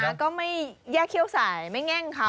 อ๋อหมาก็ไม่แยกเขี้ยวใสไม่แง่งเขา